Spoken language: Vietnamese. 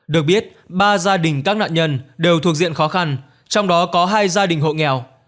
được biết ba gia đình các nạn nhân đều thuộc diện khó khăn trong đó có hai gia đình hộ nghèo